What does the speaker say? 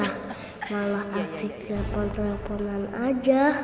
malah ngasih telepon teleponan aja